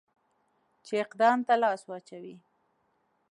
چې اقدام ته لاس واچوي.